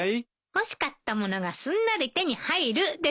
「欲しかった物がすんなり手に入る」ですって。